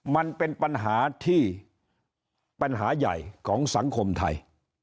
มันเป็นปัญหาที่ปัญหาใหญ่ของสังคมไทย